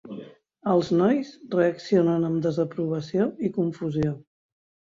Els nois reaccionen amb desaprovació i confusió.